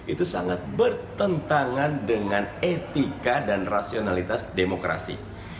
itu sangat bertentangan dengan etika dan rasionalitas demokrasi